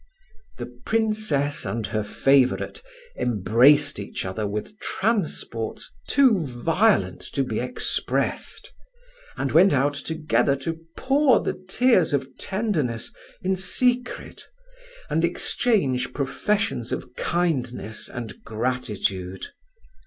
The Princess and her favourite embraced each other with transport too violent to be expressed, and went out together to pour the tears of tenderness in secret, and exchange professions of kindness and gratitude.